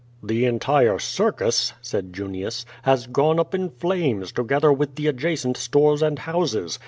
"The entire circus," said Junius, "has gone up in flames, to gether with the adjacent stores and houses.